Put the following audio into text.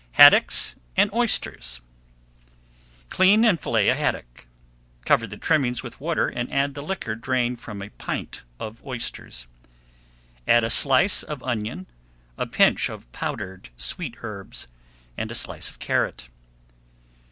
HADDOCK AND OYSTERS Clean and fillet a haddock. Cover the trimmings with water and add the liquor drained from a pint of oysters. Add a slice of onion, a pinch of powdered sweet herbs, and a slice of carrot.